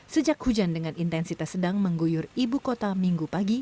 sejak hujan dengan intensitas sedang mengguyur ibu kota minggu pagi